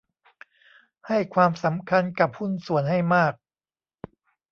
ให้ความสำคัญกับหุ้นส่วนให้มาก